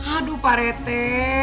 aduh pak rete